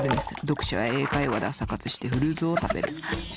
読書や英会話で朝活してフルーツを食べる。